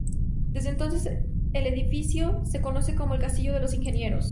Desde entonces, el edificio se conoce como el "castillo de los Ingenieros".